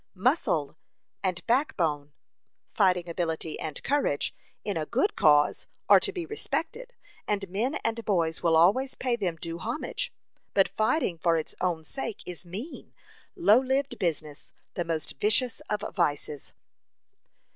"Muscle" and "backbone" fighting ability and courage in a good cause, are to be respected, and men and boys will always pay them due homage; but fighting for its own sake is mean, low lived business the most vicious of vices.